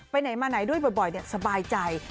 ไหนมาไหนด้วยบ่อยสบายใจ